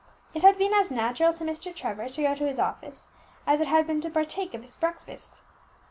It had been as natural to Mr. Trevor to go to his office, as it had been to partake of his breakfast.